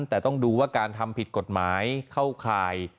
แต่ต้องดูว่าการทำผิดกฎหมายเข้าข่าย